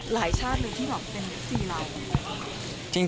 หลายชาติเลยที่หลับเป็นฟีราว